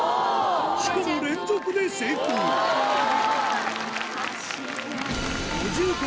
しかも連続で成功スゴい！